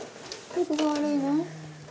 どこが悪いの？